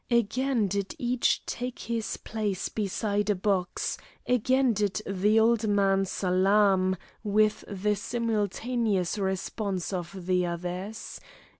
Again did each take his place beside a box, again did the old man salaam, with the simultaneous response of the others.